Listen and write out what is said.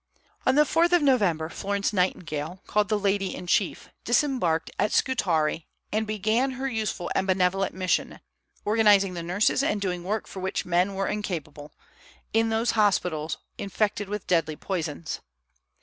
On the 4th of November Florence Nightingale, called the "Lady in Chief," disembarked at Scutari and began her useful and benevolent mission, organizing the nurses, and doing work for which men were incapable, in those hospitals infected with deadly poisons.